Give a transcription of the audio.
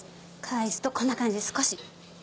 返すとこんな感じで少し。